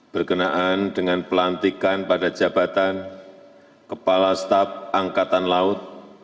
berkenaan dengan pelantikan pada jabatan kepala staf angkatan laut